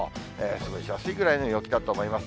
過ごしやすいぐらいの陽気だと思います。